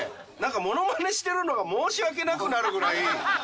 物まねしてるのが申し訳なくなるぐらい。